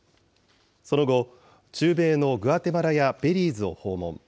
その後、中米のグアテマラやベリーズを訪問。